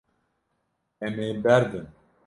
Em ê berdin.